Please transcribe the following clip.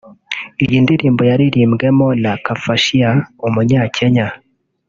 Iyi ndirimbo yaririmbwemo na Kafashia (Umunyakenya)